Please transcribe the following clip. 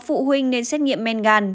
phụ huynh nên xét nghiệm men gan